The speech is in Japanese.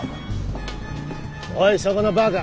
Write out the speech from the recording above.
おいそこのバカ！